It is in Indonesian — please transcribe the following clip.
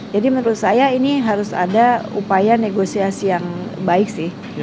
jadi menurut saya ini harus ada upaya negosiasi yang baik sih